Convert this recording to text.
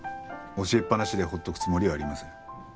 教えっぱなしで放っとくつもりはありません。